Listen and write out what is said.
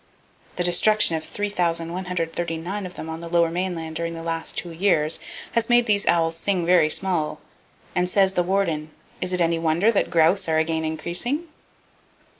The destruction of 3,139 of them on the Lower Mainland during the last two years has made these owls sing very small, and says the warden, "Is it any wonder that grouse are again increasing?"